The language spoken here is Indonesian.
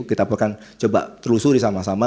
kita akan coba telusuri sama sama